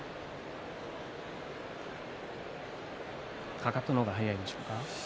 かかとの方が早いでしょうか。